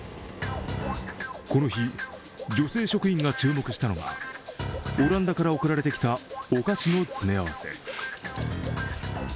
この日、女性職員が注目したのが、オランダから送られてきたお菓子の詰め合わせ。